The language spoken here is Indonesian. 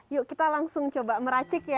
yuk kita langsung coba meracik ya